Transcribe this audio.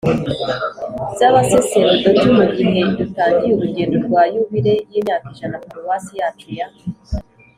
z’abasaserdoti mu gihe dutangiye urugendo rwa yubile y’imyaka ijana paruwasi yacu ya